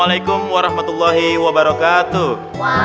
waalaikumsalam warahmatullahi wabarakatuh